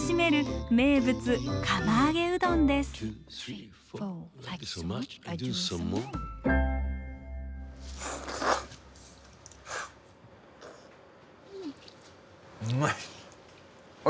うまい！